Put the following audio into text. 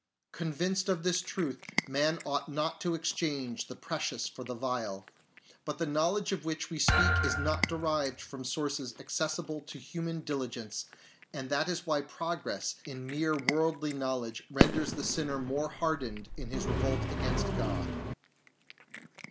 Convinced of this truth, man ought not to exchange the precious for the vile. But the knowledge of which we speak is not derived from sources accessible to human diligence, and that is why progress in mere worldly knowledge renders the sinner more hardened in his revolt against God.